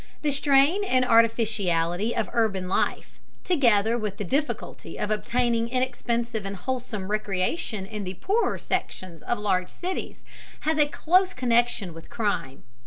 The strain and artificiality of urban life, together with the difficulty of obtaining inexpensive and wholesome recreation in the poorer sections of large cities, has a close connection with crime.